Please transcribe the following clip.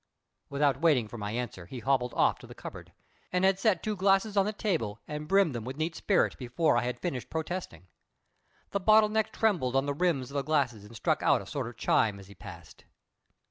Without waiting for my answer, he hobbled off to the cupboard, and had set two glasses on the table and brimmed them with neat spirit before I had finished protesting. The bottle neck trembled on the rims of the glasses and struck out a sort of chime as he paused.